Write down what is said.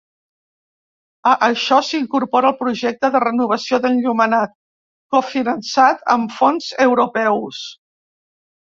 A això s’incorpora el projecte de renovació d’enllumenat, cofinançat amb fons europeus.